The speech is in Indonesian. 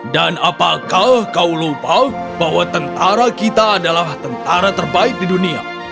dan apakah kau lupa bahwa tentara kita adalah tentara terbaik di dunia